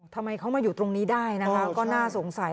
ทำไมเขามาอยู่ตรงนี้ได้นะคะก็น่าสงสัย